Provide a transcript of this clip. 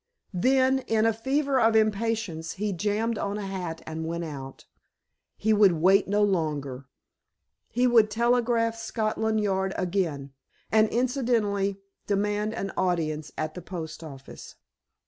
Then, in a fever of impatience, he jammed on a hat and went out. He would wait no longer. He would telegraph Scotland Yard again, and, incidentally, demand an audience at the post office.